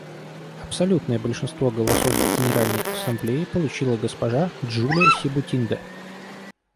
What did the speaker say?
Абсолютное большинство голосов в Генеральной Ассамблее получила госпожа Джулия Себутинде.